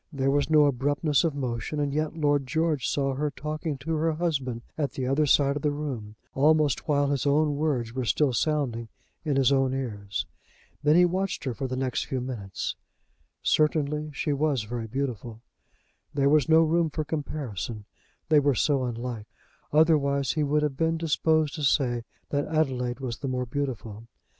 There was no abruptness of motion, and yet Lord George saw her talking to her husband at the other side of the room, almost while his own words were still sounding in his own ears. Then he watched her for the next few minutes. Certainly, she was very beautiful. There was no room for comparison, they were so unlike; otherwise, he would have been disposed to say that Adelaide was the more beautiful.